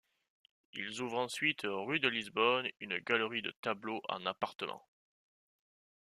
Ils ouvrent ensuite rue de Lisbonne une galerie de tableaux en appartement.